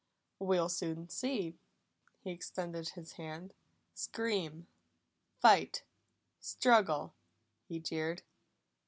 "We'll soon see." He extended his hand. "Scream fight struggle!" he jeered.